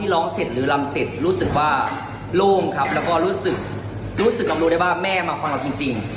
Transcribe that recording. แล้วก็รู้สึกรับรู้ได้ว่าแม่มาความรับจริง